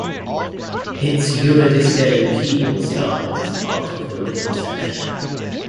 Its Eurodisco keyboard style is part of the rhythm section.